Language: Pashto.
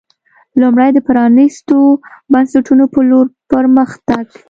لومړی د پرانېستو بنسټونو په لور پر مخ تګ